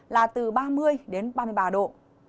là từ ba mươi đến ba mươi ba độ